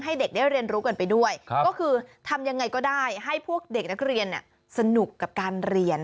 เด็กได้เรียนรู้กันไปด้วยก็คือทำยังไงก็ได้ให้พวกเด็กนักเรียนสนุกกับการเรียน